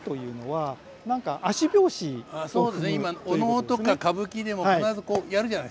今お能とか歌舞伎でも必ずこうやるじゃないですか。